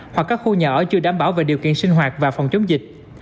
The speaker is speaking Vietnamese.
hoặc các khu nhà ở chưa đảm bảo về điều kiện sinh hoạt và phòng chống dịch